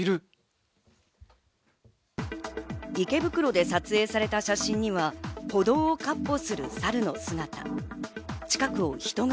池袋で撮影された写真には、歩道を闊歩するサルの姿が。